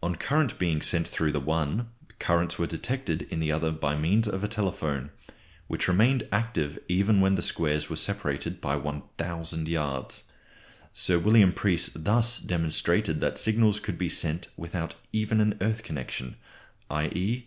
On currents being sent through the one, currents were detected in the other by means of a telephone, which remained active even when the squares were separated by 1000 yards. Sir William Preece thus demonstrated that signals could be sent without even an earth connection, _i.e.